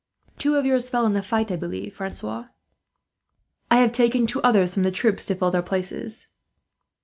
Two of yours fell in the fight, I believe, Francois." "I have taken two others from the troop to fill their places."